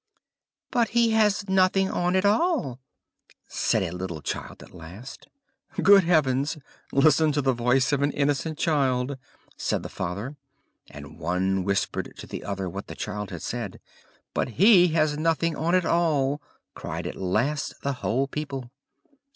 "But he has nothing on at all," said a little child at last. "Good heavens! listen to the voice of an innocent child," said the father, and one whispered to the other what the child had said. "But he has nothing on at all," cried at last the whole people.